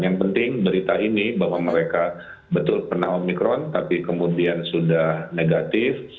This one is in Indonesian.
yang penting berita ini bahwa mereka betul pernah omikron tapi kemudian sudah negatif